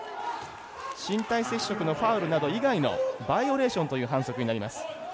身体接触のファウルなど以外のバイオレーションの反則となります。